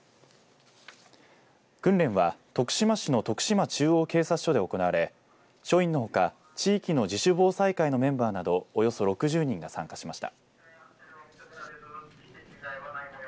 訓練は徳島市の徳島中央警察署で行われ署員のほか地域の自主防災会のメンバーなどおよそ６０人が参加しました。